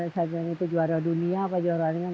saya bilang itu juara dunia atau juara lainnya